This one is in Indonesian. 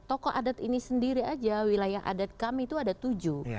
tokoh adat ini sendiri aja wilayah adat kami itu ada tujuh